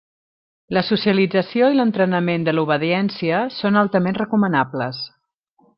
La socialització i l'entrenament de l'obediència són altament recomanables.